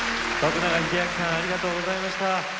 永明さんありがとうございました。